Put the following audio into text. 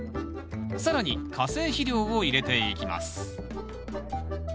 更に化成肥料を入れていきます